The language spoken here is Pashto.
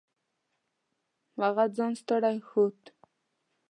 هغه ځان ستړی ښود.